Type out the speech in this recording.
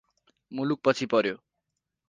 मुलुक पछि पर्यो ।